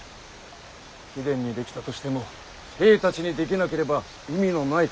貴殿にできたとしても兵たちにできなければ意味のないこと。